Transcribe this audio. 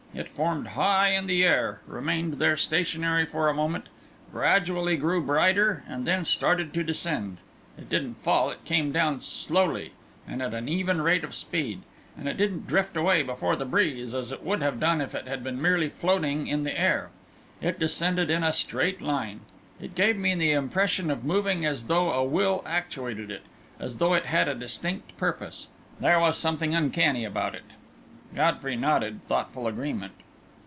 It formed high in the air, remained there stationary for a moment, gradually grew brighter, and then started to descend. It didn't fall, it came down slowly, and at an even rate of speed. And it didn't drift away before the breeze, as it would have done if it had been merely floating in the air. It descended in a straight line. It gave me the impression of moving as though a will actuated it as though it had a distinct purpose. There was something uncanny about it!" Godfrey nodded thoughtful agreement.